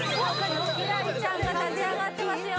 輝星ちゃんが立ち上がってますよ